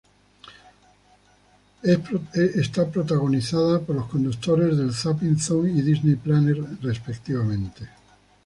Es protagonizada por los conductores del "Zapping Zone" y "Disney Planet" respectivamente.